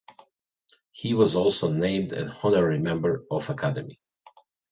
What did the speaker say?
He was also named an honorary member of the Academy.